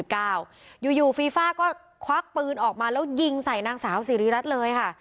แก้วอยู่ฟีฟ่าก็ควากปืนออกมาแล้วยิงสายนางสาวศรีฤทธิ์รัฐเลยค่ะ